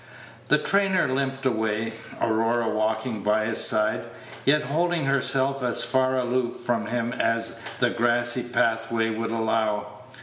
The trainer limped away, Aurora walking by his side, yet holding herself as far aloof from him as the grassy pathway would allow.